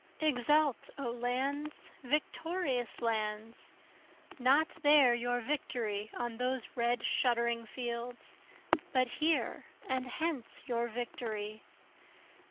Exult O lands! victorious lands! Not there your victory on those red shuddering fields, But here and hence your victory.